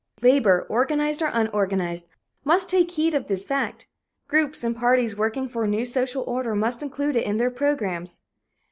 Labor, organized or unorganized, must take heed of this fact. Groups and parties working for a new social order must include it in their programmes.